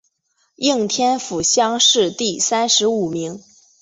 应天府乡试第三十五名。